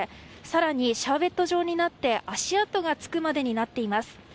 更にシャーベット状になって足跡がつくまでになっています。